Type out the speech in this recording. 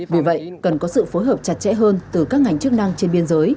vì vậy cần có sự phối hợp chặt chẽ hơn từ các ngành chức năng trên biên giới